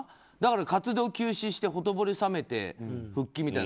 活動休止して、ほとぼり冷めて復帰みたいな。